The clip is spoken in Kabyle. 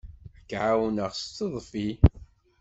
Ad k-ɛawneɣ s teḍfi.